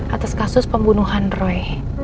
atas kasus pembunuhan roy